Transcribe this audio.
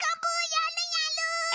やるやる！